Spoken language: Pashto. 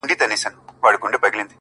• نه بلبل سوای ځان پخپله مړولای ,